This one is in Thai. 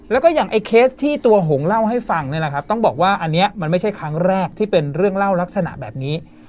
แล้วก็อย่างไอ้เคสที่ตัวหงเล่าให้ฟังเนี่ยนะครับต้องบอกว่าอันนี้มันไม่ใช่ครั้งแรกที่เป็นเรื่องเล่าลักษณะแบบนี้